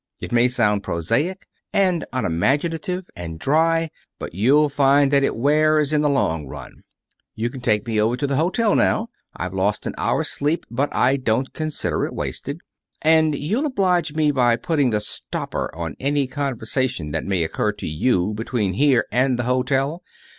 It may sound prosaic, and unimaginative and dry, but you'll find that it wears in the long run. You can take me over to the hotel now. I've lost an hour's sleep, but I don't consider it wasted. And you'll oblige me by putting the stopper on any conversation that may occur to you between here and the hotel.